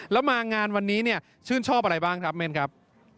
แล้วมางานวันนี้เนี่ยชื่นชอบอะไรบ้างครับเม่นครับ